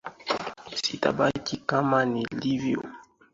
Sitabaki kama nilivyo.